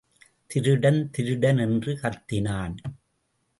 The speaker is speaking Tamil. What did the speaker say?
திருடன் திருடன் என்று கத்தினான்.